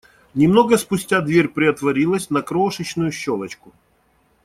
Немного спустя дверь приотворилась на крошечную щелочку.